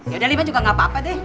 yaudah lima juga gak apa apa deh